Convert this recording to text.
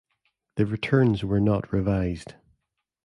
The returns were not revised.